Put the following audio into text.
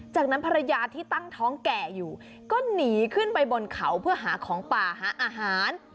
จากนั้นภรรยาที่ตั้งท้องแก่อยู่ก็หนีขึ้นไปบนเขาเพื่อหาของป่าหาอาหาร